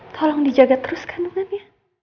tolong dijaga terus kandungannya